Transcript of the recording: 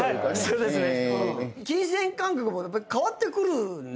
そうですね。